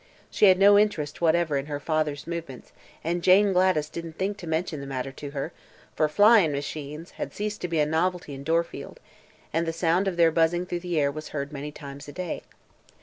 She had no interest whatever in her father's movements and Jane Gladys didn't think to mention the matter to her, for "flyin' machines" had ceased to be a novelty in Dorfield and the sound of their buzzing through the air was heard many times a day.